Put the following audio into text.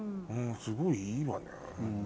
すごいいいわね。